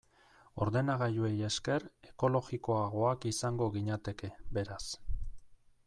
Ordenagailuei esker, ekologikoagoak izango ginateke, beraz.